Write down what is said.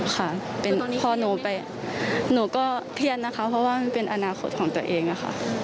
ค่ะพอหนูไปหนูก็เครียดนะคะเพราะว่ามันเป็นอนาคตของตัวเองค่ะ